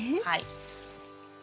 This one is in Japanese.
はい。